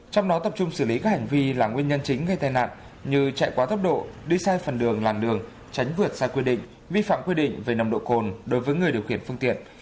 trong đó tập trung xử lý các hành vi là nguyên nhân chính gây tai nạn như chạy quá tốc độ đi sai phần đường làn đường tránh vượt sai quy định vi phạm quy định về nồng độ cồn đối với người điều khiển phương tiện